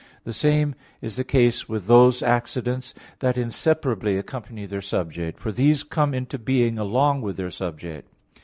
The same is the case with those accidents that inseparably accompany their subject; for these come into being along with their subject.